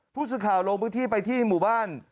ผู้สื่อข่าวลงพื้นที่ไปที่หมู่บ้าน